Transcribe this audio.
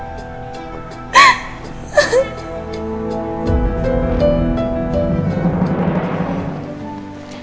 aku gak salah